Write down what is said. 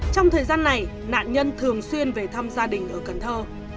trong thời gian này nạn nhân thường xuyên về thăm gia đình ở cần thơ